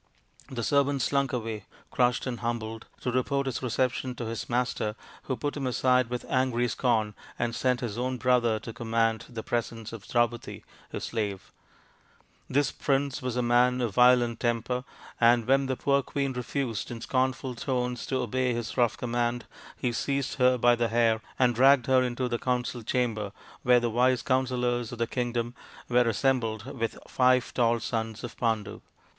The servant slunk away, crushed and humbled, to report his reception to his master, who put him aside with angry scorn, and sent his own brother to command the presence of Draupadi, his slave. This prince was a man of violent temper, and when the poor queen refused in scornful tones to obey his rough command, he seized her by the hair and dragged her into the council chamber, where the wise counsellors of the kingdom were assembled with the five tall sons of Pandu.